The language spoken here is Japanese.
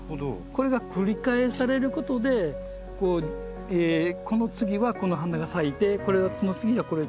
これが繰り返されることでこの次はこの花が咲いてこれはその次はこれだと。